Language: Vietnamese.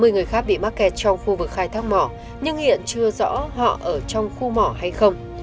ba mươi người khác bị mắc kẹt trong khu vực khai thác mỏ nhưng hiện chưa rõ họ ở trong khu mỏ hay không